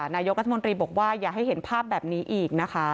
นายกรัฐมนตรีบอกว่าอย่าให้เห็นภาพแบบนี้อีกนะคะ